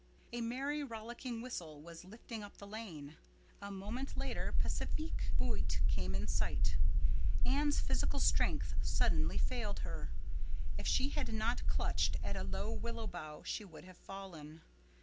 A merry rollicking whistle was lilting up the lane. A moment later Pacifique Buote came in sight. Anne's physical strength suddenly failed her. If she had not clutched at a low willow bough she would have fallen.